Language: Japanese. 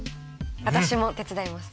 私も手伝います。